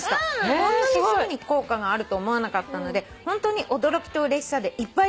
「こんなにすぐに効果があると思わなかったのでホントに驚きとうれしさでいっぱいです」